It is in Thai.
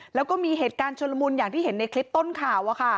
แล้วก็มีเหตุการณ์ชนละมุนอย่างที่เห็นในคลิปต้นข่าว